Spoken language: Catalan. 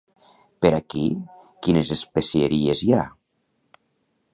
Per aquí quines especieries hi ha?